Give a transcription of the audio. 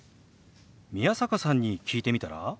宮坂さんに聞いてみたら？